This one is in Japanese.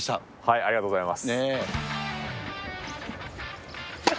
ありがとうございます。